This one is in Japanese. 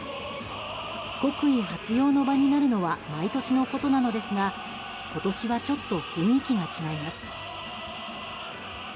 国威発揚の場になるのは毎年のことなのですが今年はちょっと雰囲気が違います。